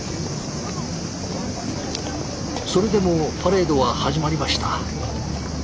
それでもパレードは始まりました。